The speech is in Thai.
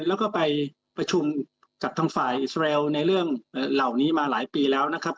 แล้วก็ไปประชุมกับทางฝ่ายอิสราเอลในเรื่องเหล่านี้มาหลายปีแล้วนะครับ